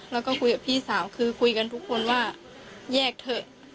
แล้วก็คุยกับพี่สาวคือคุยกันทุกคนว่าแยกเถอะ